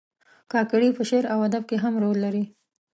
کاکړي په شعر او ادب کې هم رول لري.